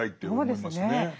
そうですね。